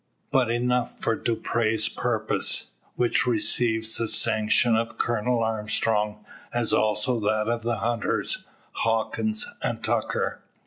But enough for Dupre's purpose; which receives the sanction of Colonel Armstrong, as also that of the hunters, Hawkins and Tucker.